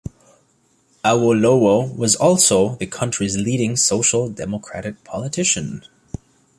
Awolowo was also the country's leading social democratic politician.